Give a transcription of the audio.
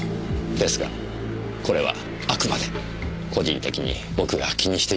ですがこれはあくまで個人的に僕が気にしているだけです。